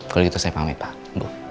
kalau gitu saya pamit pak bu